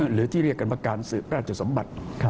หรือที่เรียกกันว่าการสืบราชสมบัติ